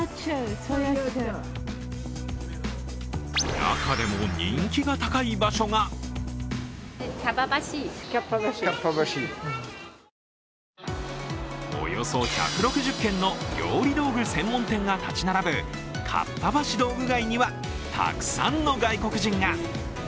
中でも人気が高い場所がおよそ１６０軒の料理道具専門店が建ち並ぶかっぱ橋道具街には、たくさんの外国人が。